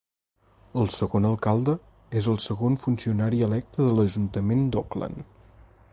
El segon alcalde és el segon funcionari electe de l'Ajuntament d'Auckland.